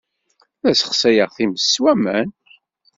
La ssexsayeɣ times s waman.